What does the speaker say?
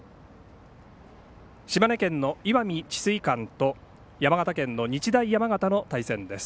島根県の石見智翠館と山形県の日大山形との対戦です。